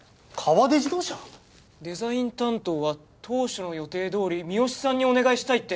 デザイン担当は当初の予定通り三好さんにお願いしたいって！